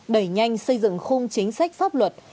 đẩy nhanh xây dựng khung chính sách pháp luật